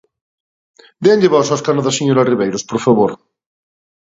Déanlle voz ao escano da señora Ribeiros, por favor.